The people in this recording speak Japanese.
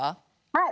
はい。